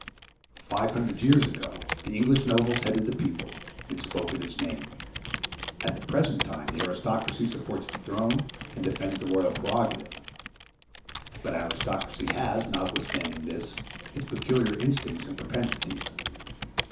Five hundred years ago the English nobles headed the people, and spoke in its name; at the present time the aristocracy supports the throne, and defends the royal prerogative. But aristocracy has, notwithstanding this, its peculiar instincts and propensities.